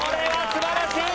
すばらしい！